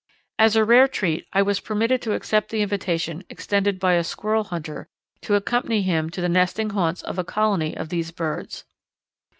As a rare treat I was permitted to accept the invitation extended by a squirrel hunter to accompany him to the nesting haunts of a colony of these birds.